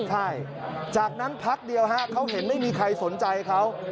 ใช่จากนั้นพักเดียวเขาเห็นไม่มีใครสนใจเขา